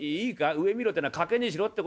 上見ろってのは掛値しろって事。